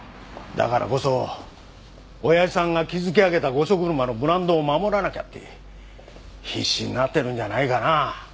だからこそ親父さんが築き上げた御所車のブランドを守らなきゃって必死になってるんじゃないかな。